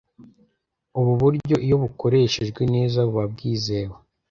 ubu buryo iyo bukoreshejwe neza buba bwizewe